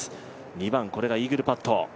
２番、これがイーグルパット。